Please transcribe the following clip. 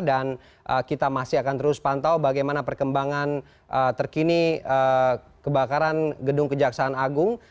dan kita masih akan terus pantau bagaimana perkembangan terkini kebakaran gedung kejaksaan agung